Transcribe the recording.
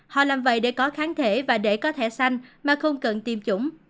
họ làm vậy để có kháng thể và để có thể xanh mà không cần tiêm chủng